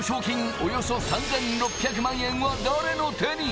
およそ３６００万円は誰の手に？